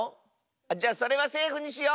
じゃそれはセーフにしよう！